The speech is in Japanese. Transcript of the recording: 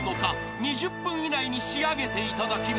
［２０分以内に仕上げていただきます］